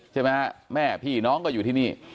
ใช่ไหมฮะแม่พี่น้องก็อยู่ที่นี่